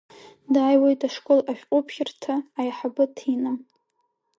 Дааиуеит ашкол ашәҟәыԥхьарҭа аиҳабы Ҭина.